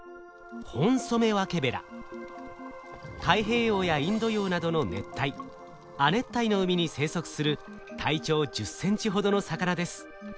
太平洋やインド洋などの熱帯亜熱帯の海に生息する体長１０センチほどの魚です。